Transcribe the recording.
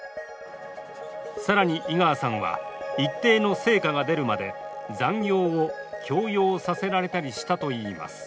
更に井川さんは、一定の成果が出るまで残業を強要させられたりしたといいます。